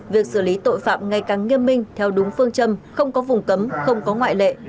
việc xử lý tội phạm ngày càng nghiêm minh theo đúng phương châm không có vùng cấm không có ngoại lệ